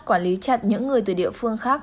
quản lý chặt những người từ địa phương khác